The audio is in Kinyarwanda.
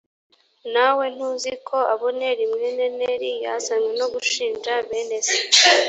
nawe ntuzi ko abuneri mwene neri yazanywe no gushinja bene se